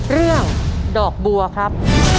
เรื่องดอกบัวครับ